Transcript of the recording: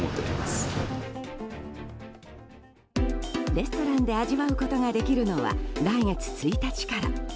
レストランで味わうことができるのは来月１日から。